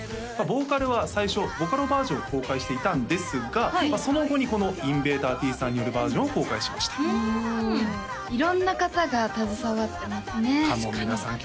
ボーカルは最初ボカロバージョンを公開していたんですがその後にこのＩｎｖａｄｅｒＴさんによるバージョンを公開しました色んな方が携わってますねかもみらさん